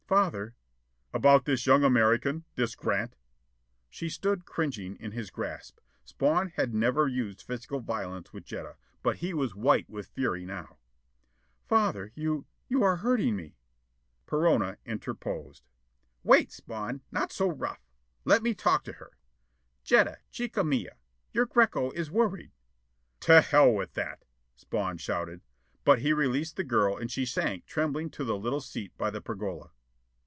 "Father " "About this young American? This Grant?" She stood cringing in his grasp. Spawn had never used physical violence with Jetta. But he was white with fury now. "Father, you you are hurting me." Perona interposed. "Wait Spawn! Not so rough! Let me talk to her. Jetta, chica mia, your Greko is worried " "To the hell with that!" Spawn shouted. But he released the girl and she sank trembling to the little seat by the pergola.